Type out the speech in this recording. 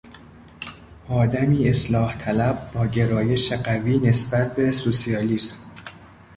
آدمی اصلاحطلب با گرایش قوی نسبت به سوسیالیسم